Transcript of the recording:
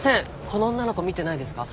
この女の子見てないですか？